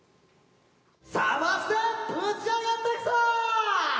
サマステぶち上がっていくぞ！